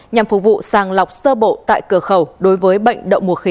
nhằm phục vụ sàng lọc sơ bộ tại cửa khẩu đối với bệnh đậu mùa khỉ